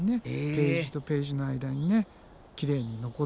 ページとページの間にきれいに残って。